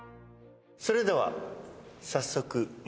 それでは早速。